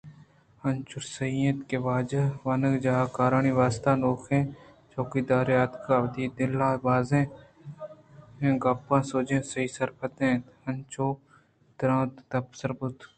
آانچو سہی اَت کہ وانگجاہ ءِ کارانی واستہ نوکیں چوکیدار ے اتکگ ءُوتی دل ءَ بازیں گپ ءُسوجاں سہی ءُسرپد اَت انچوکہ دروازگ ءِ دپ ءَ سر بوت